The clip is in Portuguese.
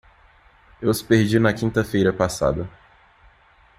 Eu os perdi na quinta-feira passada.